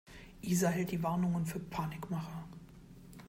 Isa hält die Warnungen für Panikmache.